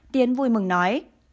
tiến vui mừng nói